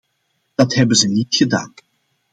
Dat hebben ze niet gedaan.